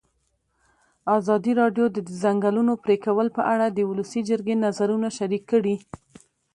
ازادي راډیو د د ځنګلونو پرېکول په اړه د ولسي جرګې نظرونه شریک کړي.